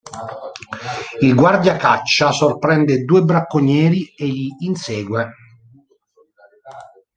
Il guardiacaccia sorprende due bracconieri e li insegue.